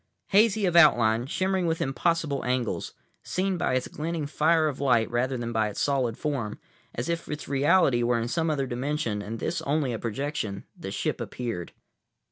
Hazy of outline, shimmering with impossible angles, seen by its glinting fire of light rather than by its solid form, as if its reality were in some other dimension and this only a projection, the ship appeared.